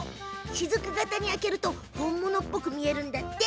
しずく型に開けると本物っぽく見えるんだって。